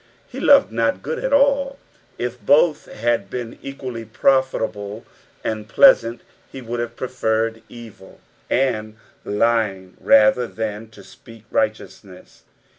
He loved not good' at all. If both had been equally profitable and pleasant, he would have preferred evil, " And tying rather than, to sp^ak righleeusness.'